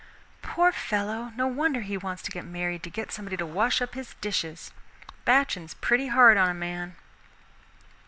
"Poor fellow, no wonder he wants to get married to get somebody to wash up his dishes. Batchin's pretty hard on a man."